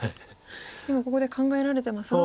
今ここで考えられてますが。